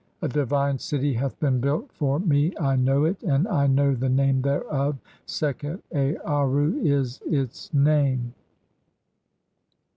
A divine city hath been built "for me, I know it, and I know the name thereof; 'Sekhet Aarru' "is its name].